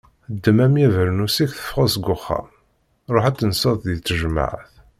Ddem a mmi abernus-ik tefɣeḍ seg uxxam! Ruḥ ad tenseḍ deg tejmeɛt.